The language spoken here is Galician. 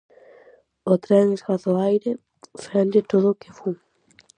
O tren esgaza o aire, fende todo o que fun.